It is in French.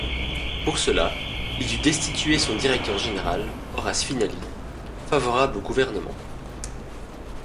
Pour cela, il dut destituer son directeur général, Horace Finaly, favorable au gouvernement.